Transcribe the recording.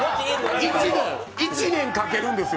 １年かけるんですよ。